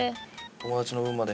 友達の分まで。